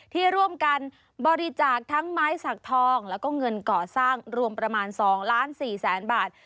ที่ร่วมกันบริจาคทั้งไม้สักทองแล้วก็เงินก่อสร้างรวมประมาณ๒ล้าน๔แสนบาท